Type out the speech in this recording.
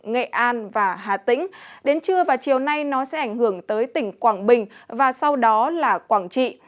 nghệ an và hà tĩnh đến trưa và chiều nay nó sẽ ảnh hưởng tới tỉnh quảng bình và sau đó là quảng trị